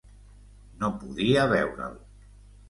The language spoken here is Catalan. No podia veure'l.